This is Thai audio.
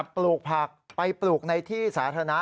ปลูกผักไปปลูกในที่สาธารณะ